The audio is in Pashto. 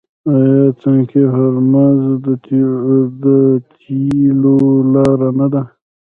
آیا تنګی هرمز د تیلو لاره نه ده؟